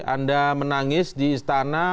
anda menangis di istana